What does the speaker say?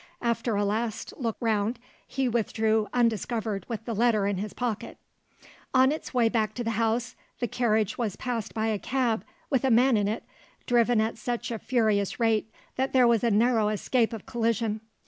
After a last look round, he withdrew undiscovered, with the letter in his pocket. On its way back to the house, the carriage was passed by a cab, with a man in it, driven at such a furious rate that there was a narrow escape of collision.